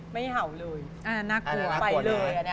ไม่เห่าเลยไปเลย